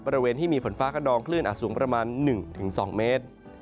บริเวณที่มีฝนฟ้ากระดองคลื่นอาจสูงประมาณ๑๒เมตร